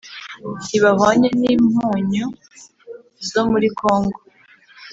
ntibahwanye n’impunyu zo muri kongo,